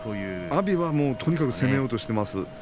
阿炎はとにかく攻めようとしています。